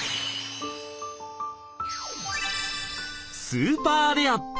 スーパーレア！